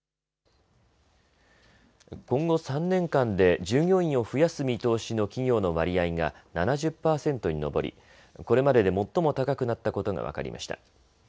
今後３年間で従業員を増やす見通しの企業の割合が７０％に上りこれまでで最も高くなったことが分かりました。